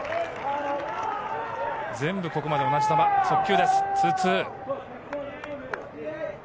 全部ここまで同じ球、速球です。